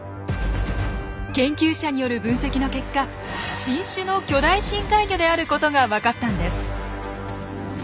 研究者による分析の結果新種の巨大深海魚であることがわかったんです。